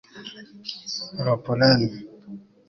roopleen